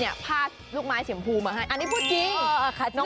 ผ้าลูกไม้สีมพูมาให้อันนี้พูดจริง